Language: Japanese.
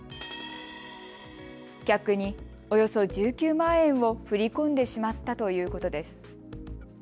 逆におよそ１９万円を振り込んでしまったということです。